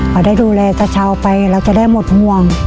พอได้ดูแลตะเช้าไปเราจะได้หมดห่วง